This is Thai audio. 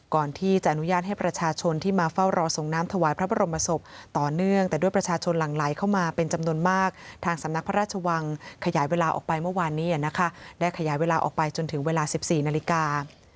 ก่อนที่จะอนุญาตให้ประชาชนที่มาเฝ้ารอส่งน้ำถวายพระบรมศพต่อเนื่องแต่ด้วยประชาชนหลั่งไหลเข้ามาเป็นจำนวนมากทางสำนักพระราชวังขยายเวลาออกไปเมื่อวานนี้นะคะได้ขยายเวลาออกไปจนถึงเวลา๑๔นาฬิกา